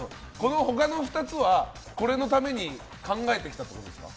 他の２つは、これのために考えてきたってことですか？